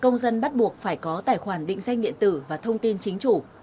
để sử dụng công dân bắt buộc phải có tài khoản định danh điện tử và thông tin chính chủ